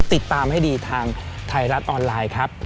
ติดตามให้ดีทางไทยรัฐออนไลน์ครับ